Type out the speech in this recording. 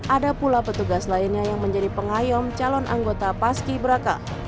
ada pula petugas lainnya yang menjadi pengayom calon anggota paski beraka